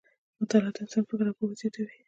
مطالعه د انسان فکر او پوهه زیاتوي.